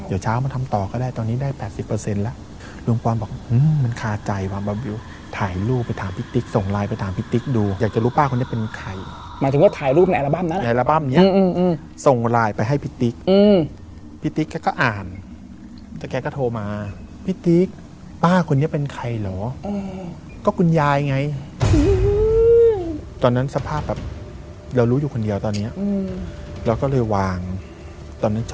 อืมเดี๋ยวเช้ามาทำต่อก็ได้ตอนนี้ได้แปดสิบเปอร์เซ็นต์ล่ะ